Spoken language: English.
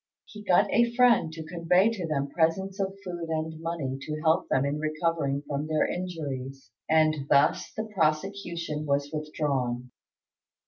He got a friend to convey to them presents of food and money to help them in recovering from their injuries, and thus the prosecution was withdrawn.